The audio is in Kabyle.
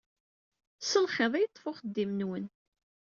S lxiḍ i yeṭṭef uxeddim-nwen.